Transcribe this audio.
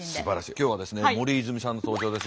今日はですね森泉さんの登場です。